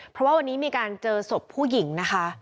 เพราะว่าวันนี้มีการเจอศพผู้หญิงนะคะ